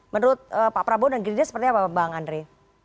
menurut pak prabowo dan gerindra seperti apa bang andre